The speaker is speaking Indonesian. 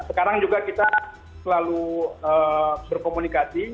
sekarang juga kita selalu berkomunikasi